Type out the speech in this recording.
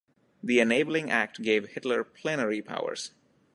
The Enabling Act gave Hitler plenary powers.